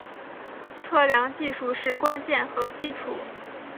测量技术是关键和基础。